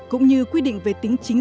cũng như quy định về tính chính